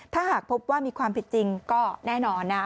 ถ้าหากพบว่ามีความผิดจริงก็แน่นอนนะ